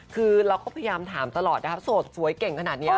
คือเราก็พยายามถามตลอดนะครับโสดสวยเก่งขนาดนี้